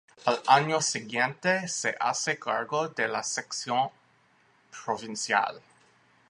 Al año siguiente se hace cargo de la sección provincial.